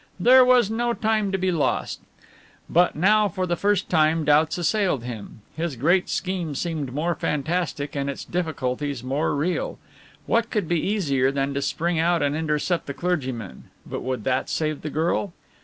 There was no time to be lost. But now for the first time doubts assailed him. His great scheme seemed more fantastic and its difficulties more real. What could be easier than to spring out and intercept the clergyman, but would that save the girl?